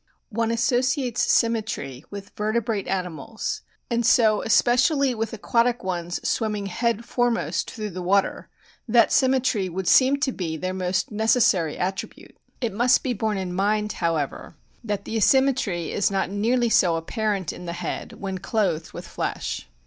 One associates symmetry with vertebrate animals, and so especially with aquatic ones swimming head foremost through the water that symmetry would seem to be their most necessary attribute. It must be borne in mine!, however, that the asymmetry is not nearly so apparent in the head when clothed with flesh.